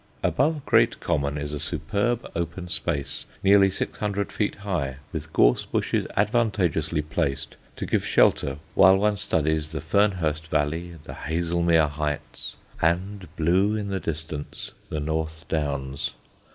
Above Great Common is a superb open space nearly six hundred feet high, with gorse bushes advantageously placed to give shelter while one studies the Fernhurst valley, the Haslemere heights and, blue in the distance, the North Downs.